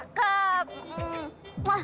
kita pulang ya rudy ya